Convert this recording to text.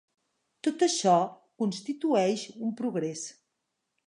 Tot açò constitueix un progrés.